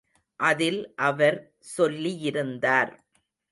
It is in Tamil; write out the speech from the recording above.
அதில் அவர் சொல்லியிருந்தார்.